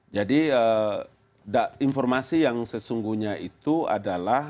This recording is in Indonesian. jadi informasi yang sesungguhnya itu adalah